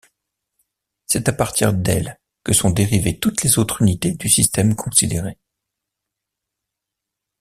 C'est à partir d'elles que sont dérivées toutes les autres unités du système considéré.